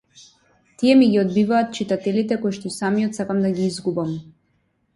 Тие ми ги одбиваат читателите коишто и самиот сакам да ги изгубам.